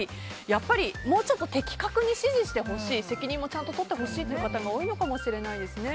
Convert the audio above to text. やっぱりもうちょっと的確に指示してほしい責任をちゃんととってほしいという方が多いのかもしれないですね。